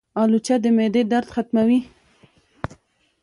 الوچه د معدې درد ختموي.